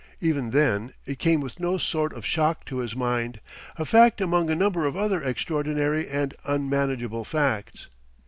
Even then it came with no sort of shock to his mind, a fact among a number of other extraordinary and unmanageable facts.